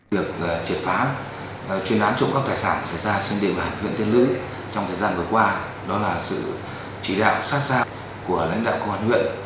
việc triệt phá chuyên án trộm cắp tài sản xảy ra trên địa bàn huyện tiên lữ trong thời gian vừa qua đó là sự chỉ đạo sát sao của lãnh đạo công an huyện